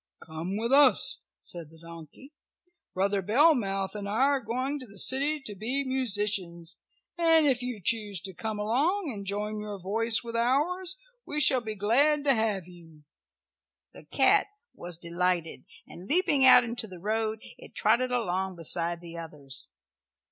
"Come with us," said the donkey. "Brother Bellmouth and I are going to the city to be musicians, and if you choose to come along and join your voice with ours we shall be glad to have you." The cat was delighted, and leaping out into the road it trotted along beside the others.